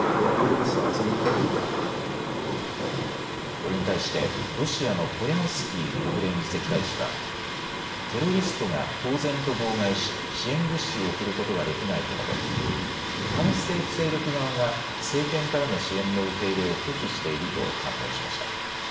これに対してロシアのポリャンスキー国連次席大使はテロリストが公然と妨害し支援物資を送ることができないと述べ反政府勢力側が政権からの支援の受け入れを拒否していると反論しました。